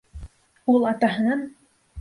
Ул атаһынан: